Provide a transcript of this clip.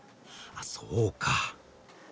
あそうか。